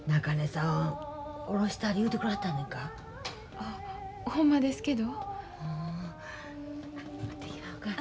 あほんまですけど。